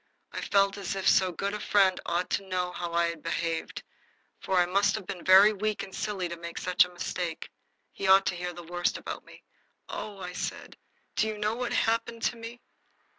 I felt as if so good a friend ought to know how I had behaved for I must have been very weak and silly to make such a mistake. He ought to hear the worst about me. "Oh," I said, "do you know what happened to me?"